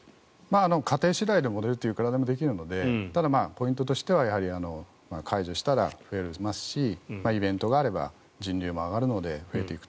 過程次第でいくらでもできるのでただ、ポイントとしては解除したら増えますしイベントがあれば人流も上がるので増えていくと。